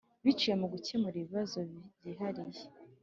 biciye mu gukemura ibibazo byihariye